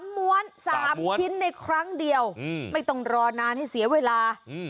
ม้วน๓ชิ้นในครั้งเดียวไม่ต้องรอนานให้เสียเวลา